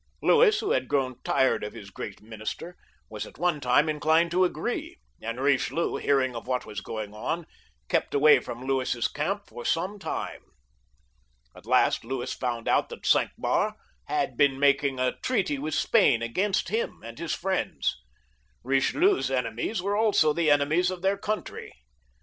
L^uis, who had grown tired of his great minister, was at one time inclined to agree, and Bichelieu, hearing of what was going on, kept away from Louis's camp for some time. At last Louis found out that Cinq Mars had also been making a treaty with Spain against him and his friends. Eichelieu's enemies were also the enemies of their coimtry.